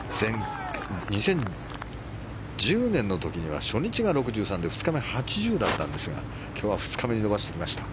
２０１０年の時には初日が６３で２日目、８０だったんですが今日は２日目に伸ばしてきました。